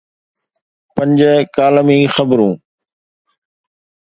پنج ڪالمي خبرون.